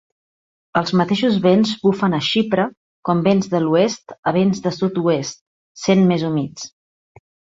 Els mateixos vents bufen a Xipre com vents de l'oest a vents de sud-oest, sent més humits.